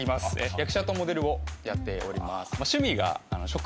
役者とモデルをやっております。